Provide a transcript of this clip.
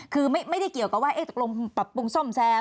คือไม่ได้เกี่ยวกับบัตรปรุงทร่วมแซม